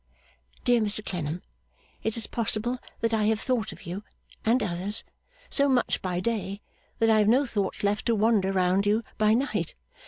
Dear Mr Clennam, it is possible that I have thought of you and others so much by day, that I have no thoughts left to wander round you by night.